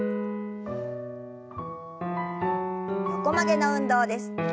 横曲げの運動です。